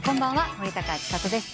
森高千里です。